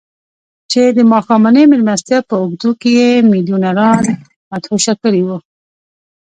چې د ماښامنۍ مېلمستیا په اوږدو کې يې ميليونران مدهوشه کړي وو.